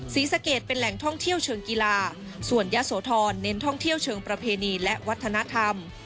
ศรีสะเกดเป็นแหล่งท่องเที่ยวเชิงกีฬาส่วนยะโสธรเน้นท่องเที่ยวเชิงประเพณีและวัฒนธรรม